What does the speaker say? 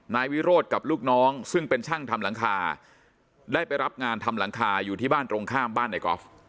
นายวิโรธกับลูกน้องซึ่งเป็นช่างทำหลังคาได้ไปรับงานทำหลังคาอยู่ที่บ้านตรงข้ามบ้านในกอล์ฟ